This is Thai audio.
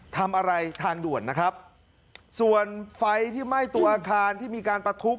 ทำอะไรทางด่วนนะครับส่วนไฟที่ไหม้ตัวอาคารที่มีการประทุ